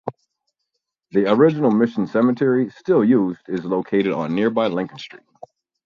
The original mission cemetery, still used, is located on nearby Lincoln Street.